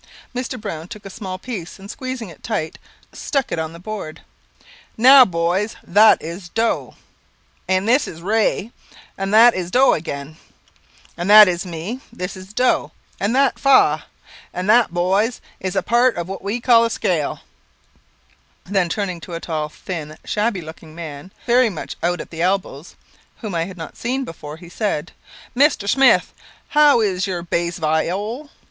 Mr. Browne took a small piece, and squeezing it tight, stuck it upon the board. "Now, boys, that is Do, and that is Re, and that is Do again, and that is Mi, this Do, and that Fa; and that, boys, is a part of what we call a scale." Then turning to a tall, thin, shabby looking man, very much out at the elbows, whom I had not seen before, he said "Mr. Smith, how is your _base viol?